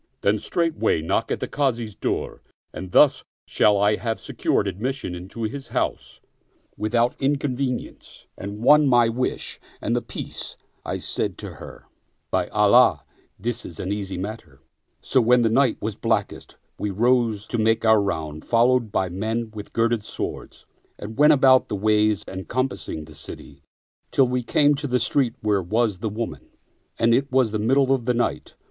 Then straightway knock at the Kazi's door, and thus shall I have secured admission into his house, without inconvenience, and won my wish ; and — the Peace !" I said to her, " By Allah, this is an easy matter/* So, when the night was blackest, we rose to make our round, followed by men with girded swords, and went about the ways and compassed the city, till we came to the street where was the woman, and it was the middle of the night.